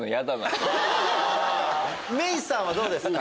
芽育さんはどうですか？